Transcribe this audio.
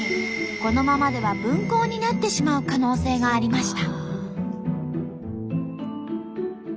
このままでは分校になってしまう可能性がありました。